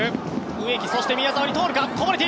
植木、そして宮澤に通るか？